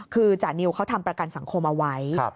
คือจานิวเขาทำประกันสังคมเอาไว้